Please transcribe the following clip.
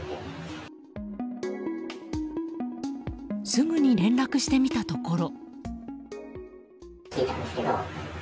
すぐに連絡してみたところ。